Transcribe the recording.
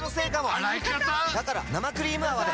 洗い方⁉だから生クリーム泡で！